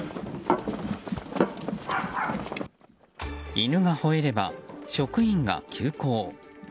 犬が吠えれば職員が急行。